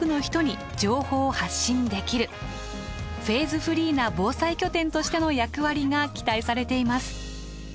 フェーズフリーな防災拠点としての役割が期待されています。